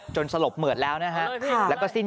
สลบเหมือดแล้วนะฮะแล้วก็สิ้น